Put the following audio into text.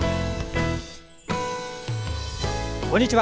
こんにちは。